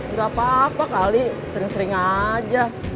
nggak apa apa kali sering sering aja